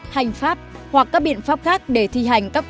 hành pháp hoặc các biện pháp khác